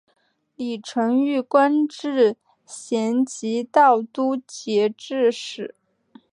李澄玉官至咸吉道都节制使。